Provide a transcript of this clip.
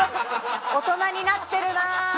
大人になってるなー。